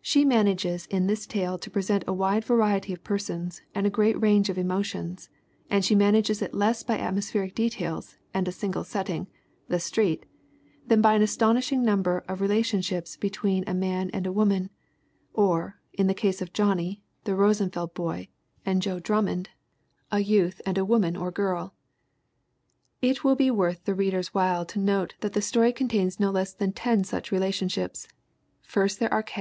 She manages in this tale to present a wide variety of per sons and a great range of emotions and she manages it less by atmospheric details and a single setting the Street than by an astonishing number of rela tionships between a man and a woman ; or, in the case of Johnny, "the Rosenfeld boy," and Joe Drummond, 64 THE WOMEN WHO MAKE OUR NOVELS a youth and a woman or girl. It will be worth the reader's while to note that the story contains no less than ten such relationships. First there are K.